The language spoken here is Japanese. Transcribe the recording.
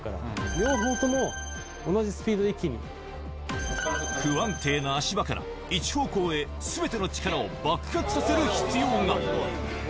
両方とも、不安定な足場から、一方向へすべての力を爆発させる必要が。